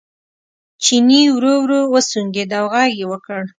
چیني ورو ورو وسونګېد او غږ یې وکړ.